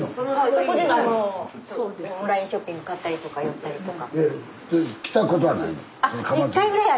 そこでオンラインショッピングで買ったりとか寄ったりとか。